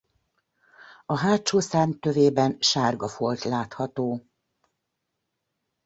A hátsó szárny tövében sárga folt látható.